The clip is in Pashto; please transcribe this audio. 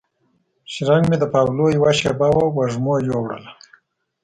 شرنګ مې د پاولو یوه شیبه وه وږمو یووړله